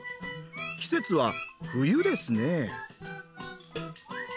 季節は冬ですね。